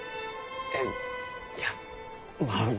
えいやまあ。